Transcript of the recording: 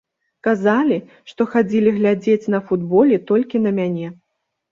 Казалі, што хадзілі глядзець на футболе толькі на мяне.